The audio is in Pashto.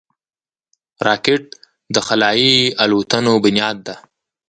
راکټ د خلایي الوتنو بنیاد ده